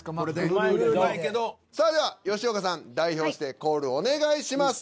さあでは吉岡さん代表してコールお願いします。